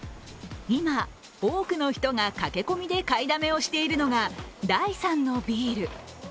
今、多くの人が駆け込みで買いだめをしているのが、第３のビール。